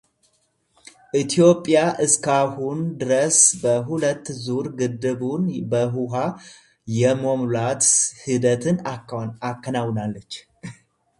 ኢትዮጵያ እስካሁን ድረስ በሁለት ዙር ግድቡን በውሃ የመሙላት ሂደትን አከናውናለች።